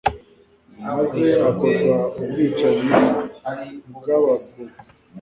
maze hakorwa ubwicanyi bw'Abagogwe